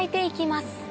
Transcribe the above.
行きます。